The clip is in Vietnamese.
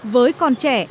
với con trẻ